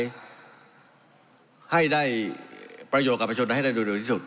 เพื่อให้ได้ประโยคการผู้ชนให้ได้โดยดูดีที่สุด